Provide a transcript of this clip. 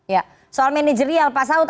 ya soal manajerial pak saud